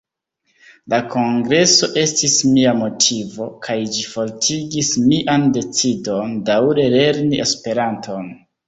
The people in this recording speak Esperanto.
La kongreso estis mia motivo, kaj ĝi fortigis mian decidon daǔre lerni Esperanton.